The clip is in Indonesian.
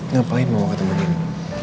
ngapain mama ketemu nino